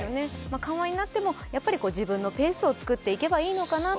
緩和になっても、自分のペースを作っていけばいいのかなと。